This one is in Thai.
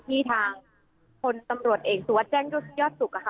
ที่ทางคนตำรวจเองตรวจแจ้งยอดยอดสุก